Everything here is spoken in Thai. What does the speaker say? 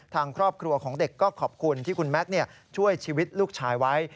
ทางครอบครัวของเด็กก็ขอบคุณที่คุณแม็กซ์ช่วยชีวิตลูกชายไว้